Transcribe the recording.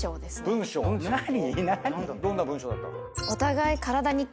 どんな文章だったの？